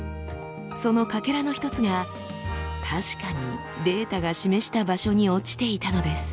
そのかけらの一つが確かにデータが示した場所に落ちていたのです。